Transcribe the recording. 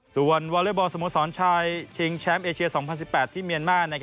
ส่วนวอเล็กบอลสโมสรชายชิงแชมป์เอเชีย๒๐๑๘ที่เมียนมาร์